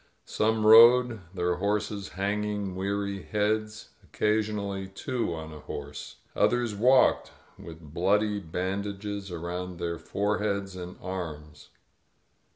Some rode, their horses hanging we&ry heads — occasionally two on a horse. Others walked, with bloody bandages around their foreheads and arms.